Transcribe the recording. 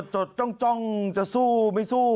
จดจ้องจะสู้ไม่สู้